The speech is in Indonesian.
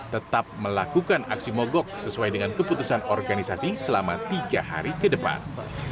tetap melakukan aksi mogok sesuai dengan keputusan organisasi selama tiga hari ke depan